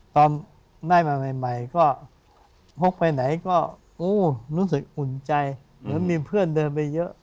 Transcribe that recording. ตอนได้มาใหม่ก็พกไปไหนก็โอ้รู้สึกอุ่นใจหรือมีเพื่อนเดินไปเยอะ